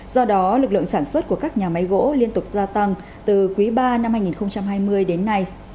do đó lực lượng sản xuất của các nhà máy gỗ liên tục gia tăng từ quý ba năm hai nghìn hai mươi đến nay